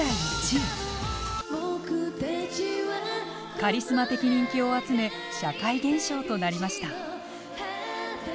カリスマ的人気を集め社会現象となりました。